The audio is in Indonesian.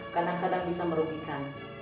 kadang kadang bisa merugikan